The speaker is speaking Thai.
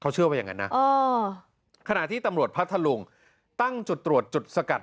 เชื่อว่าอย่างนั้นนะขณะที่ตำรวจพัทธลุงตั้งจุดตรวจจุดสกัด